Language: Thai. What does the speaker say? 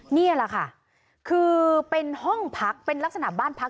นี่แหละค่ะคือเป็นห้องพักเป็นลักษณะบ้านพัก